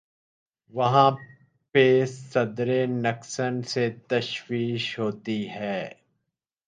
وہاں پہ صدر نکسن سے تفتیش ہوتی ہے۔